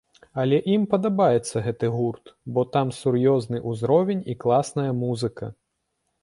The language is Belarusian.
Але ім падабаецца гэты гурт, бо там сур'ёзны ўзровень і класная музыка.